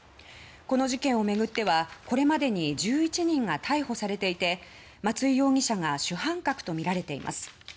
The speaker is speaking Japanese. この事件を巡ってはこれまでに１１人が逮捕されていて松井容疑者が主犯格とみられています。